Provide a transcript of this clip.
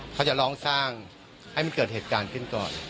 เขาจะลองสร้างให้มันเกิดเหตุการณ์ขึ้นก่อน